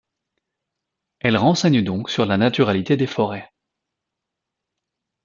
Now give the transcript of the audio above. Elles renseignent donc sur la naturalité des forêts.